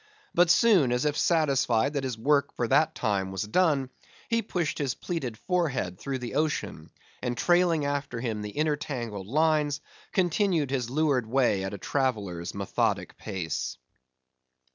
But soon, as if satisfied that his work for that time was done, he pushed his pleated forehead through the ocean, and trailing after him the intertangled lines, continued his leeward way at a traveller's methodic pace.